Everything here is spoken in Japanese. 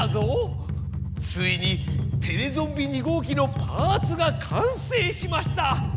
ついにテレゾンビ二号機のパーツがかんせいしました！